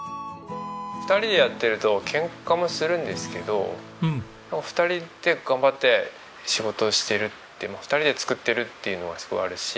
２人でやってるとケンカもするんですけど２人で頑張って仕事してるって２人で作ってるっていうのはすごいあるし。